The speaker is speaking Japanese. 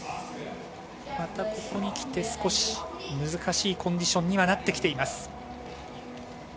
またここに来て少し難しいコンディションにはなってきています。